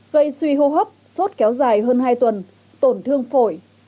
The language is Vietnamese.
gây suy hô hấp sốt kéo dài hơn hai tuần tổn thương phổi